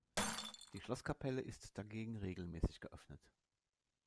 Die Schlosskapelle ist dagegen regelmäßig geöffnet.